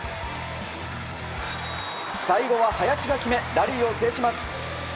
最後は林が決めラリーを制します。